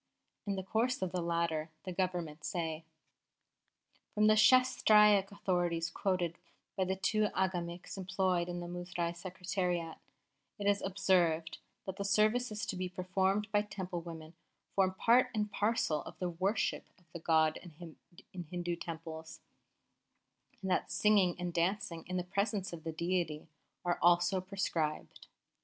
In the course of the latter the Government say: "'From the Shastraic authorities quoted by the two Agamiks employed in the Muzrai Secretariat, it is observed that the services to be performed by Temple women form part and parcel of the worship of the god in Hindu Temples, and that singing and dancing in the presence of the deity are also prescribed.